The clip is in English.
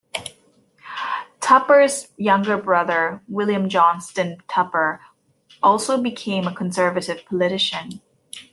Tupper's younger brother William Johnston Tupper also became a Conservative politician.